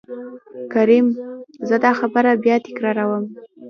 کريم :زه دا خبره بيا تکرار وم.